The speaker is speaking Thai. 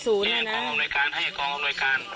เป็นเรื่องตายของครอบครัวผมครับสูญน่ะนะให้กรงนวยการ